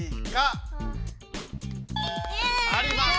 あります。